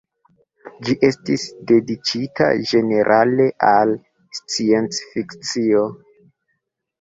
Ĝi estis dediĉita ĝenerale al sciencfikcio.